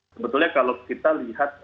sebetulnya kalau kita lihat